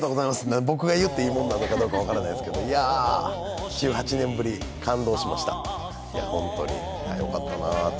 僕が言っていいものなのかどうか分からないですけどいや、１８年ぶり、感動しました、ホントによかったなと。